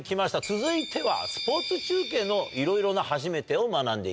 続いてはスポーツ中継のいろいろな初めてを学んで行きます。